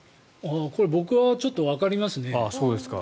これ、僕はちょっとわかりますね。